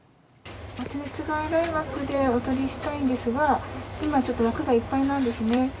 発熱外来枠でお取りしたいんですが、今ちょっと枠がいっぱいなんですね。